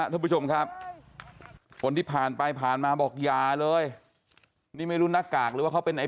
แล้วหันมาเนี่ยจังหวะสุดท้ายเนี่ยค่อยหันก็ได้